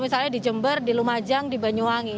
misalnya di jember di lumajang di banyuwangi